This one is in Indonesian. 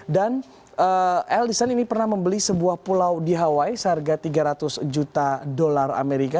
dan ellison ini pernah membeli sebuah pulau di hawaii seharga tiga ratus juta dolar amerika